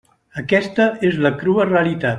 Aquesta és la crua realitat.